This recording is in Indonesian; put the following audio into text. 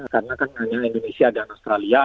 karena kan hanya indonesia dan australia